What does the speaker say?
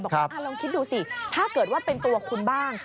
ลองคิดดูสิถ้าเกิดว่าเป็นตัวคุณบ้าง